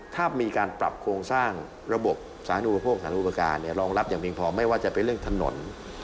ถ้ามีการปรับโครงสร้างระบบสารอุปโภคสารอุปการณ์รองรับอย่างเพียงพอไม่ว่าจะเป็นเรื่องถนน